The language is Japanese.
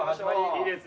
いいです。